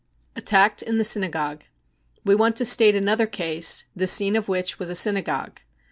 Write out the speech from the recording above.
r/ Attacked in the Synagogue. We want to state another case, the scene of which was a synagogue.